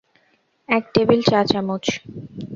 এক টেবিল চা চামচ।